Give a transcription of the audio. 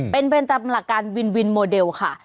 เป็นเป็นตำแหน่งการวินโมเดลค่ะ